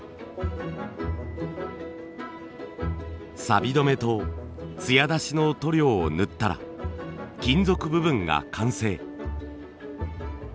さび止めとつや出しの塗料を塗ったら金属部分が完成。